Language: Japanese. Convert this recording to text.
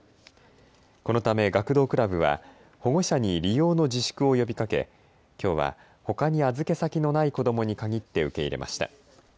このため学童クラブは保護者に利用の自粛を呼びかけ、きょうはほかに預け先のない子どもに限って受け入れました。